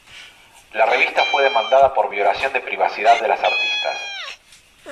La revista fue demandada por violación de privacidad de las artistas.